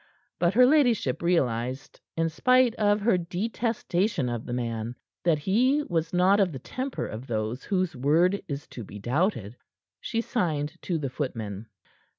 But her ladyship realized, in spite of her detestation of the man, that he was not of the temper of those whose word is to be doubted. She signed to the footmen.